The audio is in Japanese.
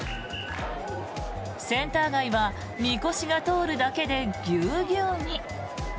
センター街はみこしが通るだけでぎゅうぎゅうに。